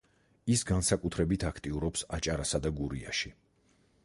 ის განსაკუთრებით აქტიურობს აჭარასა და გურიაში.